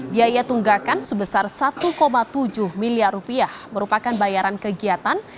biaya tunggakan sebesar satu tujuh miliar rupiah merupakan bayaran kegiatan